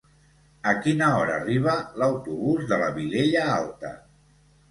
A quina hora arriba l'autobús de la Vilella Alta?